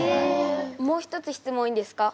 もう一つ質問いいですか？